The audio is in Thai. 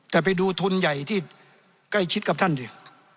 แต่ไปดูทุนใหญ่ที่ใกล้ชิดกับท่านสิ